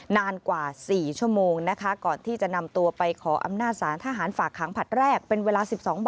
นานกว่า๔ชั่วโมงนะคะ